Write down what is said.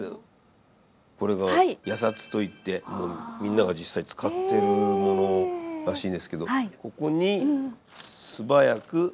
これが野冊と言ってみんなが実際使ってるものらしいんですけどここに素早く押すっていう。